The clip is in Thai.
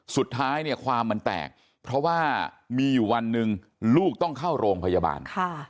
สุดท้ายเนี่ยความมันแตกเพราะว่ามีอยู่วันหนึ่งลูกต้องเข้าโรงพยาบาล